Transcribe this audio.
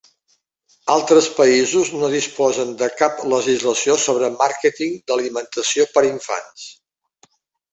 Altres països no disposen de cap legislació sobre màrqueting d'alimentació per infants.